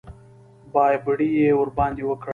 بابېړي یې ورباندې وکړ.